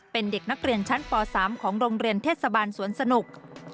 เป็นเด็กนักเรียนชั้นป๓ของโรงเรียนเทศบาลสวนสนุก